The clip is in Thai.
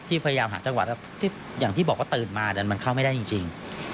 พยายามหาจังหวะอย่างที่บอกว่าตื่นมาแต่มันเข้าไม่ได้จริง